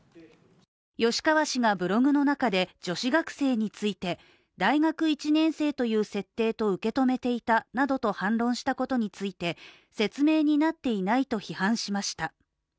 吉川氏がブログの中で女子学生について大学１年生という設定と受け止めていたなどと反論したことについて説明になっていないと批判しました。